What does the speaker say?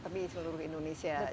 tapi seluruh indonesia